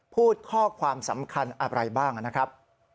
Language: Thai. พูดข้อความสำคัญอะไรบ้างนะครับ